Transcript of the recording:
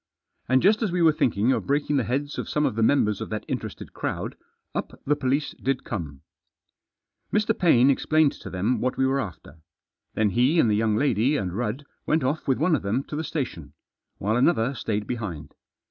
And just as we were thinking of breaking the heads of some of the members of that interested crowd, up the police did come. Mr. Paine explained to them what we were after. Then he and the young lady and Rudd went off with one of them to the station, while another stayed behind.